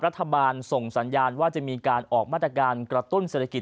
รัฐบาลส่งสัญญาณว่าจะมีการออกมาตรการกระตุ้นเศรษฐกิจ